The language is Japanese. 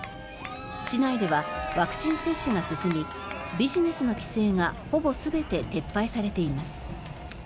市内ではワクチン接種が進みビジネスの規制がほぼ全て撤廃されています。